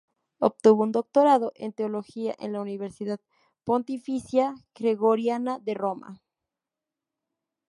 Obtuvo un doctorado en teología en la Universidad Pontificia Gregoriana, de Roma.